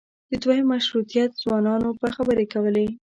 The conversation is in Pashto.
د دویم مشروطیت ځوانانو به خبرې کولې.